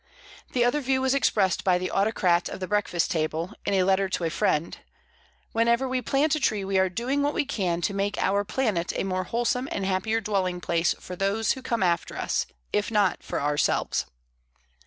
The other view was expressed by "the Autocrat of the Breakfast table" in a letter to a friend: "Whenever we plant a tree we are doing what we can to make our planet a more wholesome and happier dwelling place for those who come after us, if not for ourselves."